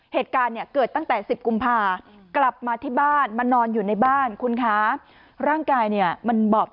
เหตุการณ์เนี่ยเกิดตั้งแต่๑๐กุมภากลับมาที่บ้านมานอนอยู่ในบ้านคุณคะร่างกายเนี่ยมันบอบ